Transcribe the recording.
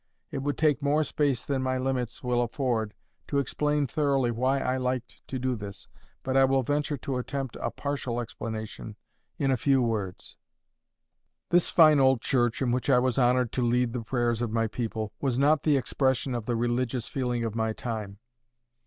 It would take more space than my limits will afford to explain thoroughly why I liked to do this. But I will venture to attempt a partial explanation in a few words. This fine old church in which I was honoured to lead the prayers of my people, was not the expression of the religious feeling of my time.